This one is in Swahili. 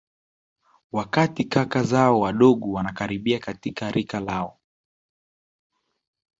Wakati kaka zao wadogo wanakaribia katika rika lao